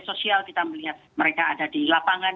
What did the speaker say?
sosial kita melihat mereka ada di lapangan